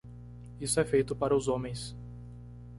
Isso é feito para os homens.